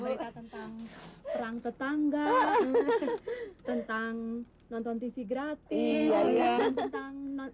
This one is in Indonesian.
ia tentang perang tetangga tentang nonton tv gratis